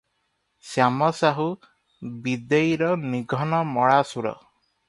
ଶ୍ୟାମ ସାହୁ ବିଦେଇର ନିଘନ ମଳାଶୁର ।